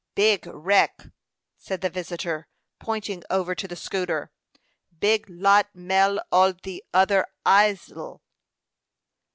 "Big wreck," said the visitor, pointing over to the schooner. "Big lot mel ol the other islal."